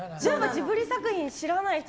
ジブリ作品知らない人